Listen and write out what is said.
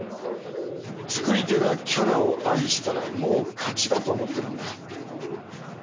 作り手がキャラを愛したらもう勝ちだと思ってるんだ。